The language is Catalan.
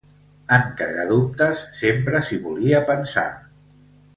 En Cagadubtes sempre s'hi volia pensar.